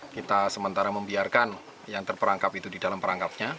kita sementara membiarkan yang terperangkap itu di dalam perangkapnya